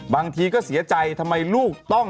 บางทีก็เสียใจทำไมลูกต้อง